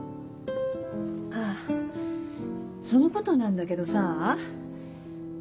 あぁそのことなんだけどさ。